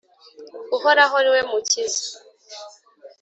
uhoraho ni we mukiza!